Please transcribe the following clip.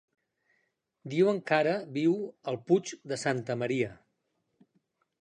Diuen que ara viu al Puig de Santa Maria.